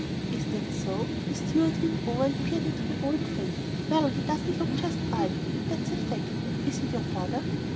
"Is that so?" The steward leaned over and peered into the old face. "Well, he doesn't look just right, and that's a fact. Is he your father?"